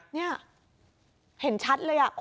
เนี้ยเห็นชัดเลยอ่ะ